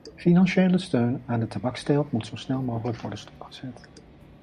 Financiële steun aan de tabaksteelt moet zo snel mogelijk worden stopgezet.